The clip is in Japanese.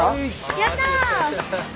やった！